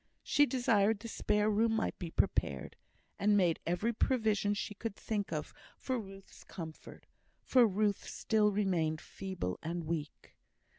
She desired the spare room might be prepared, and made every provision she could think of for Ruth's comfort; for Ruth still remained feeble and weak.